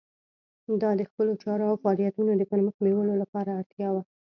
دا د خپلو چارو او فعالیتونو د پرمخ بیولو لپاره اړتیا وه.